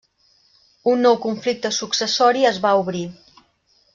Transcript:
Un nou conflicte successori es va obrir.